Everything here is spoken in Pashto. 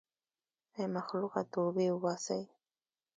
ای مخلوقه توبې وباسئ.